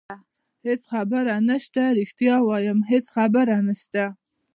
هېڅ خبره نشته، رښتیا وایم هېڅ خبره نشته.